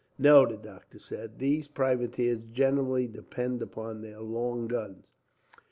"No," the doctor said. "These privateers generally depend upon their long guns.